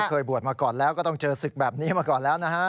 เคยบวชมาก่อนแล้วก็ต้องเจอศึกแบบนี้มาก่อนแล้วนะฮะ